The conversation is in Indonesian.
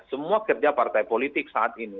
semua kerja partai politik saat ini